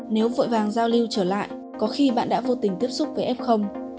nếu vội vàng giao lưu trở lại có khi bạn đã vô tình tiếp xúc với ép không